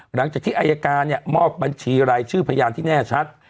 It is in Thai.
หลังจากที่อายการเนี่ยมอบบัญชีรายชื่อพยานที่แน่ชัด